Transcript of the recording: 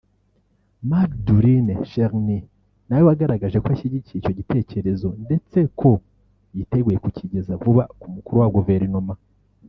Majdouline Cherni nawe wagaragaje ko ashyigikiye icyo gitekerezo ndetse ko yiteguye kukigeza vuba ku mukuru wa Guverinoma